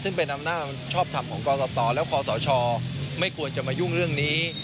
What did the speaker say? ซึ่งเป็นอำนาจชอบทำของกรกตและคอสชไม่ควรจะมายุ่งเรื่องนี้